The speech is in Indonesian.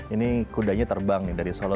ini kudanya terbang nih dari solo